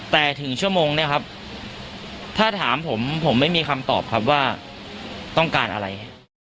แต่ถึงชั่วโมงเนี่ยครับถ้าถามผมผมไม่มีคำตอบครับว่าต้องการอะไร